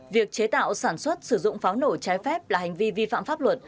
việc chế tạo sản xuất sử dụng pháo nổ trái phép là hành vi vi phạm pháp luật